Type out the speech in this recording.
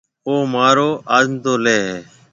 او مھارو آزمُوتو ليَ ھيََََ۔